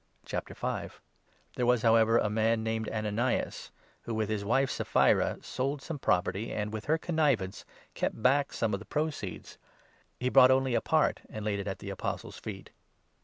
punishment o* There was, however, a man named Ananias, i Ananias and who, with his wife Sapphira, sold some property, Sapphira. ancj) with her connivance, kept back some of the 2 proceeds. He brought only a part and laid it at the Apostles' feet.